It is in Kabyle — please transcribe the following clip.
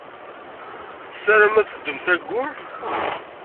Tessaramem ad teddum s Ayyur.